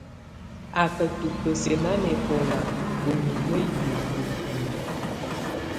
Á ka tubǝ́siǝ́ nanɛkɔla ù mimǝ́ yi miyinǝ́.